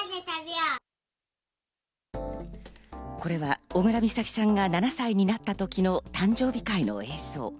これは小倉美咲さんが７歳になった時の誕生日会の映像。